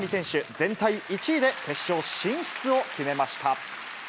全体１位で決勝進出を決めました。